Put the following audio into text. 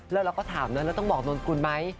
แล้วเราก็ถามนะเราต้องบอกนนกุลไหม